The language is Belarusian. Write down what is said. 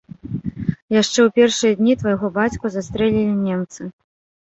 Яшчэ ў першыя дні твайго бацьку застрэлілі немцы.